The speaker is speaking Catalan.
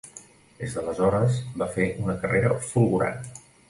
Des d'aleshores va fer una carrera fulgurant.